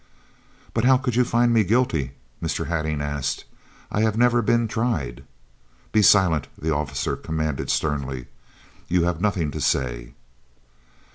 "But how could you find me guilty?" Mr. Hattingh asked. "I have never been tried." "Be silent," the officer commanded sternly. "You have nothing to say."